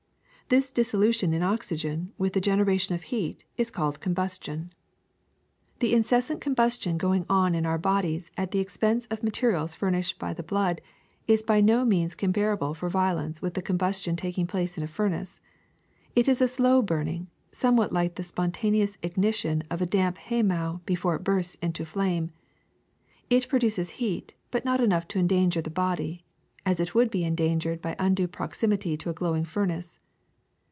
This dissolution in oxygen, with the generation of heat, is called combustion. AIR 303 ^' The incessant combustion going on in our bodies at the expense of the materials furnished by the blood is by no means comparable for violence with the combustion taking place in a furnace. It is a slow burning, somewhat like the spontaneous ignition of a damp hay mow before it bursts into flame. It produces heat, but not enough to endanger the body as it would be endangered by undue proximity to a glowing furnace.